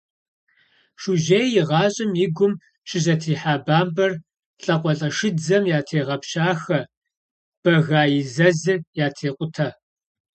Шужьей и гъащӀэм и гум щызэтрихьа бампӀэр лӀакъуэлӀэшыдзэм ятрегъэпщахэ, бэга и зэзыр ятрекъутэ.